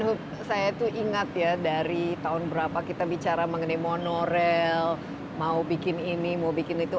itu saya tuh ingat ya dari tahun berapa kita bicara mengenai monorail mau bikin ini mau bikin itu